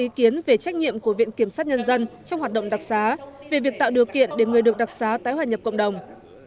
ý kiến về trách nhiệm của viện kiểm sát nhân dân trong hoạt động đặc xá về việc tạo điều kiện để người được đặc xá tái hòa nhập cộng đồng